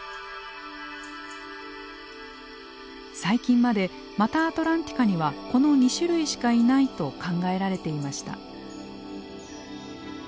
最近までマタアトランティカにはこの２種類しかいないと考えられていました。